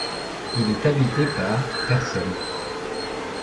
Il est habité par personnes.